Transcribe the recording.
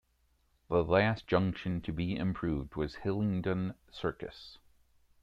The last junction to be improved was Hillingdon Circus.